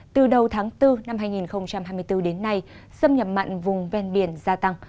từ đầu tháng bốn năm hai nghìn hai mươi bốn đến nay xâm nhập mặn vùng ven biển gia tăng